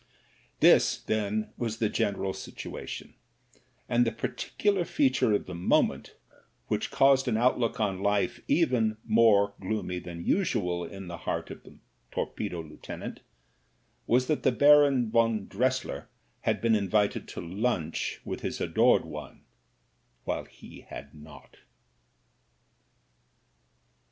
This, then, was the general situation ; and the particular feature of the moment, which caused an outlodc on life even more gloomy than usual in the heart of the torpedo lieutenant, was that the Baron von Dressier had been invited to lunch with his adored one, while he had not.